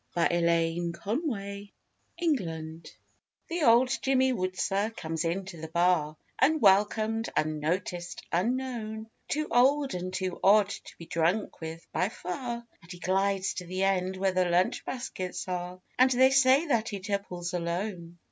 THE OLD JIMMY WOODSER The old Jimmy Woodser comes into the bar, Unwelcomed, unnoticed, unknown, Too old and too odd to be drunk with, by far; And he glides to the end where the lunch baskets are And they say that he tipples alone.